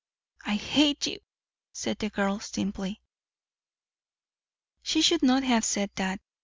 "I hate you," said the girl simply. She should not have said that.